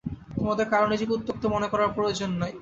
তোমাদের কারও নিজেকে উত্ত্যক্ত মনে করার প্রয়োজন নাই।